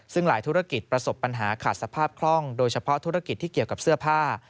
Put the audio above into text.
ซึ่งหลายธุรกิจประสบปัญหาขาดสภาพคล่องโดยเฉพาะธุรกิจที่เกี่ยวกับเสื้อผ้า